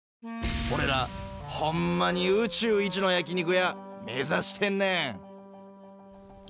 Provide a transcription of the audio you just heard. おれらホンマに宇宙一の焼き肉屋目指してんねん！